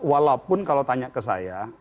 walaupun kalau tanya ke saya